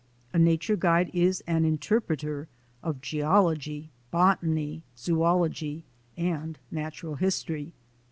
A nature guide is an inter preter of geology, botany, zoology, and natural history.